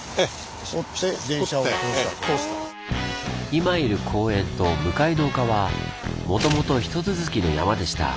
今いる公園と向かいの丘はもともとひと続きの山でした。